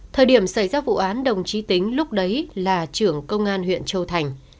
thời điểm xảy ra vụ án đồng chí tính lúc đấy là trưởng công an huyện châu thành